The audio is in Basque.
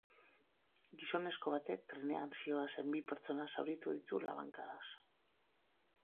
Gizonezko batek trenean zihoazen bi pertsona zauritu ditu labankadaz.